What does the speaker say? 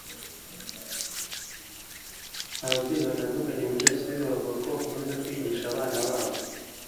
Ababyeyi batandukanye muri Rusizi bavuga ko bakomeza kwigisha abana babo